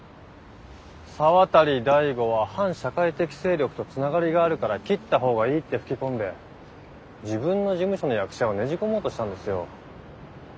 沢渡大吾は反社会的勢力とつながりがあるから切った方がいいって吹き込んで自分の事務所の役者をねじ込もうとしたんですよ。